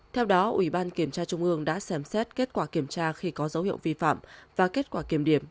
theo đó ủy ban kiểm tra trung ương đã xem xét kết quả kiểm tra khi có dấu hiệu vi phạm và kết quả kiểm điểm